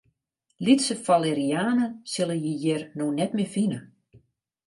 Lytse falerianen sille je hjir no net mear fine.